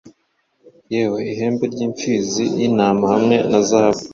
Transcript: yewe ihembe ry'impfizi y'intama hamwe na zahabu,